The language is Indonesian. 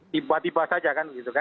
tiba tiba saja kan gitu kan